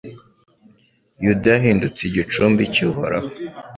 Yuda yahindutse igicumbi cy’Uhoraho